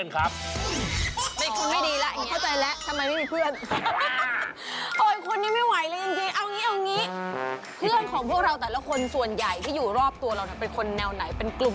ก็บอกแล้วนะคะค่ะกูผมก็เหมือนเป็นคน